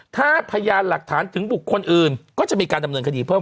ถ้าพยานหลักฐานถึงบุคคลอื่นก็จะมีการดำเนินคดีเพิ่ม